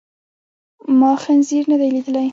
ما خنزير ندی لیدلی.